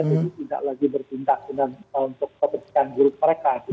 jadi tidak lagi bertindak untuk keberikan grup mereka